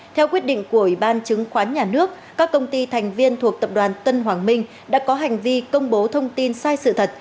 theo quyết định của ủy ban chứng khoán nhà nước các công ty thành viên thuộc tập đoàn tân hoàng minh đã có hành vi công bố thông tin sai sự thật